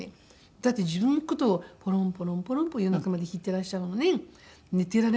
だって自分の事をポロンポロンポロンポロン夜中まで弾いてらっしゃるのに寝てられないですよね。